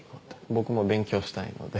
僕も勉強したいので。